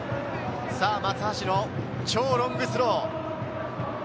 松橋の超ロングスロー。